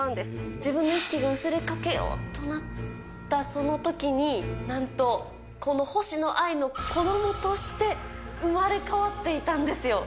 自分の意識が薄れかけるそのときに、なんと、この星野アイの子どもとして生まれ変わっていたんですよ。